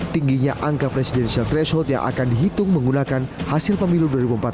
tingginya angka presidensial threshold yang akan dihitung menggunakan hasil pemilu dua ribu empat belas